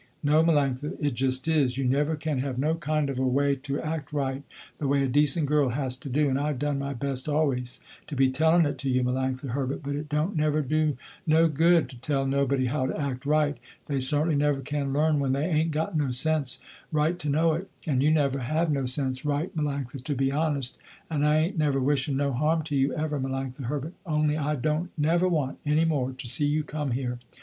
No Melanctha, it just is, you never can have no kind of a way to act right, the way a decent girl has to do, and I done my best always to be telling it to you Melanctha Herbert, but it don't never do no good to tell nobody how to act right; they certainly never can learn when they ain't got no sense right to know it, and you never have no sense right Melanctha to be honest, and I ain't never wishing no harm to you ever Melanctha Herbert, only I don't never want any more to see you come here.